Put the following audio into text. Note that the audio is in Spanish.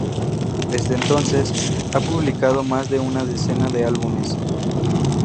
Desde entonces, ha publicado más de una decena de álbumes.